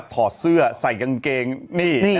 ถอดเสื้อใส่กางเกงนี่